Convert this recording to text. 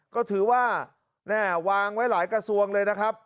ก็ถือว่าวางไว้หลายกระทรวงเลยนะครับ